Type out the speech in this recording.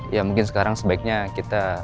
ya mungkin sekarang sebaiknya kita